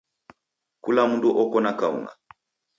Kula mndu oko na kaung'a.